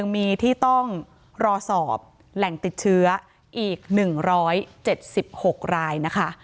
มีที่ต้องรอสอบแหล่งติดเชื้ออีก๑๗๖รายนะคะ